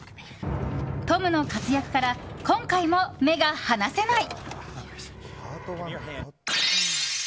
トムの活躍から今回も目が離せない！